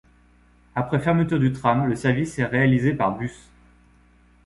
Après fermeture du tram, le service est réalisé par bus.